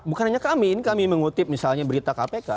bukan hanya kami ini kami mengutip misalnya berita kpk